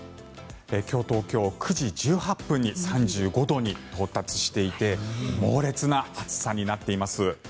今日、東京、９時１８分に３５度に到達していて猛烈な暑さになっています。